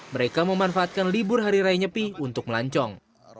mereka memanfaatkan libur hari raya nyepi untuk melancong